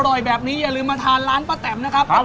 อร่อยแบบนี้อย่าลืมมาทานร้านป้าแตมนะครับผม